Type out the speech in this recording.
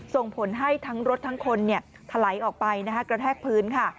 ส่งผลให้ทั้งรถทั้งคนถลายออกไปกระแทกพื้นค่ะ